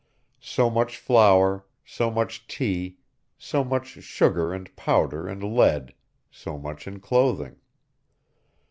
So much flour, so much tea, so much sugar and powder and lead, so much in clothing.